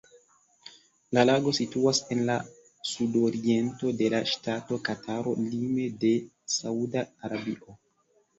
La lago situas en la sudoriento de la ŝtato Kataro lime de Sauda Arabio.